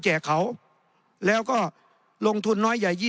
ในทางปฏิบัติมันไม่ได้